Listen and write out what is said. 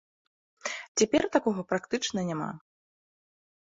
Цяпер такога практычна няма.